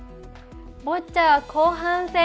ボッチャは後半戦。